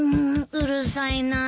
うるさいなあ。